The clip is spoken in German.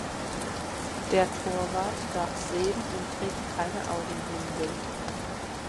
Der Torwart darf sehen und trägt keine Augenbinde.